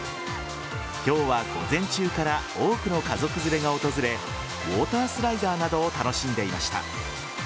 今日は午前中から多くの家族連れが訪れウォータースライダーなどを楽しんでいました。